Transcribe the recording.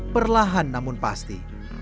perlahan namun pasti